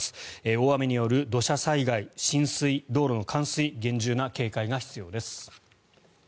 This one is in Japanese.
大雨による土砂災害浸水、道路の冠水厳重な警戒が必要です。